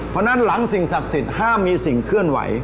เพราะฉะนั้นหลังสิ่งศักดิ์สิทธิ์ห้ามมีสิ่งเคลื่อนไหว